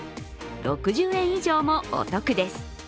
６０円以上もお得です。